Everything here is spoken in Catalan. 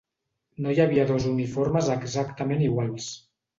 No hi havia dos uniformes exactament iguals.